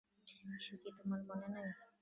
সে কী, তোমার মনে নেই!